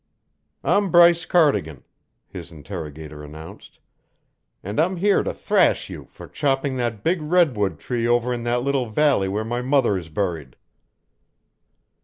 "I'm Bryce Cardigan," his interrogator announced, "and I'm here to thrash you for chopping that big redwood tree over in that little valley where my mother is buried."